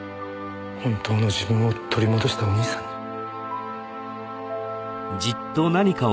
本当の自分を取り戻したお兄さんに。